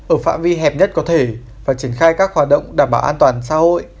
ở phạm vi hẹp nhất có thể và triển khai các hoạt động đảm bảo an toàn xã hội